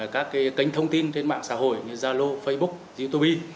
các kênh thông tin trên mạng xã hội như zalo facebook youtube